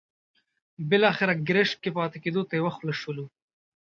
بالاخره ګرشک کې پاتې کېدو ته یو خوله شولو.